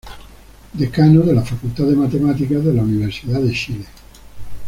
Decano de la Facultad de Matemáticas de la Universidad de Chile.